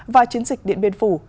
và chiến dịch điện biên phủ